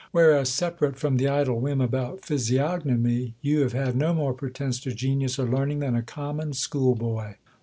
Whereas^ separate from the idle whim about physiognomy, you have had no more pretence to genius or learning than a common school boy.